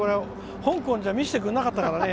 香港じゃ、夜景は見せてくれなかったからね。